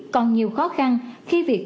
còn nhiều khó khăn khi việc